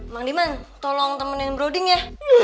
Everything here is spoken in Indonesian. mang diman tolong temenin broding ya